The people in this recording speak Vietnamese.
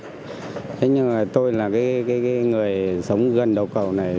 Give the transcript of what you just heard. thế nhưng mà tôi là cái người sống gần đầu cầu này